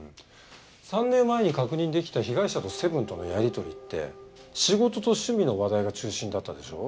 ３年前に確認できた被害者とセブンとのやりとりって仕事と趣味の話題が中心だったでしょ。